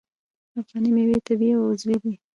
افغاني میوې طبیعي او عضوي دي.